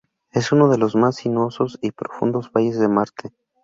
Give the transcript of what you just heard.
Es uno de los más sinuosos y profundos valles de Marte.